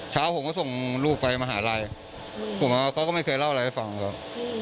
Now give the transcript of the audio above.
เช้าผมก็ส่งลูกไปมหาลัยผมก็ไม่เคยเล่าอะไรให้ฟังครับ